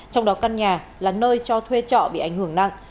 trong đó căn nhà là nơi cho thuê trọ bị ảnh hưởng nặng